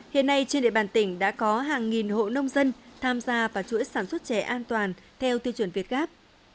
hiện nay trên địa bàn tỉnh đã có hàng nghìn hộ nông dân tham gia vào chuỗi sản xuất chè an toàn theo tiêu chuẩn việt gáp